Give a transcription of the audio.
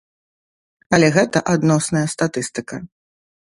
Але гэта адносная статыстыка.